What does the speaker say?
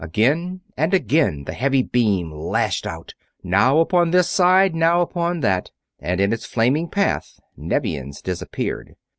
Again and again the heavy beam lashed out, now upon this side, now upon that, and in its flaming path Nevians disappeared.